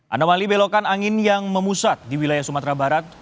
andawali belokan angin yang memusat di wilayah sumatera barat